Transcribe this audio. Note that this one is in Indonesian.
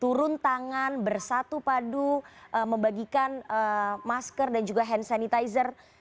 turun tangan bersatu padu membagikan masker dan juga hand sanitizer